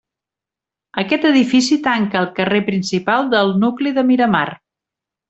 Aquest edifici tanca el carrer principal del nucli de Miramar.